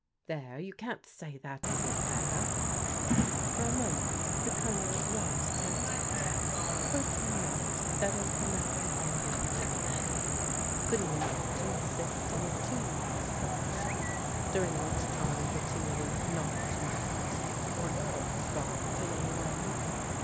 There, you can't say that isn't fair." For a moment the Colonel was tempted. Could he not settle the matter on these lines? Could he not insist on a two years' probation, during which time the two were not to meet, or correspond in any way?